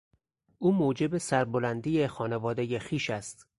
او موجب سربلندی خانوادهی خویش است.